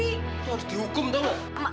itu harus dihukum tau